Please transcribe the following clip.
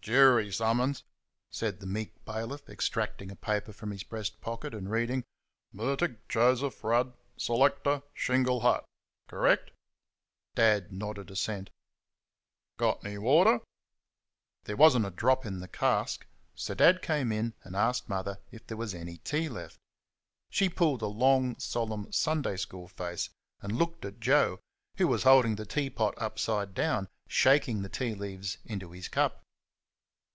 "Jury summons," said the meek bailiff, extracting a paper from his breast pocket, and reading, "Murtagh Joseph Rudd, selector, Shingle Hut...Correct?" Dad nodded assent. "Got any water?" There was n't a drop in the cask, so Dad came in and asked Mother if there was any tea left. She pulled a long, solemn, Sunday school face, and looked at Joe, who was holding the teapot upside down, shaking the tea leaves into his cup.